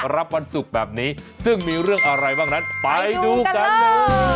วันศุกร์แบบนี้ซึ่งมีเรื่องอะไรบ้างนั้นไปดูกันนะ